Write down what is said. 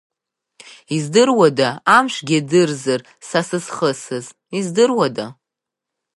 Издыруада, амшәгьы иадырзар са сызхысыз, издыруада?